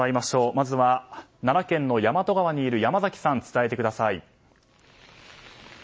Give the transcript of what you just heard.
まずは、奈良県の大和川にいる山崎さん伝えてください。